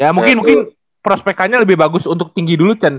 ya mungkin mungkin prospekannya lebih bagus untuk tinggi dulu